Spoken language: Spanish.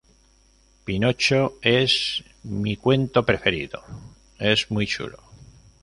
pinocho. es mi cuento preferido. es muy chulo.